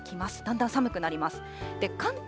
だんだん寒くなります。